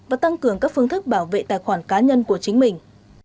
và tăng cường các phương thức bảo vệ tài khoản cá nhân của chính mình